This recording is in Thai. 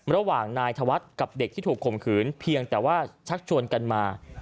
ระหว่างนายธวัฒน์กับเด็กที่ถูกข่มขืนเพียงแต่ว่าชักชวนกันมา